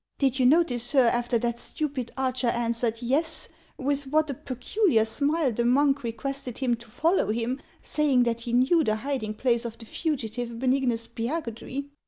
Did you notice, sir, after that stupid archer answered ' Yes,' with what a pecu liar smile the monk requested him to follow him, saying that he knew the hiding place of the fugitive, Benignus Spiagudry